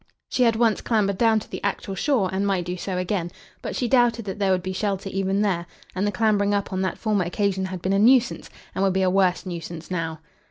She had once clambered down to the actual shore, and might do so again. But she doubted that there would be shelter even there; and the clambering up on that former occasion had been a nuisance, and would be a worse nuisance now.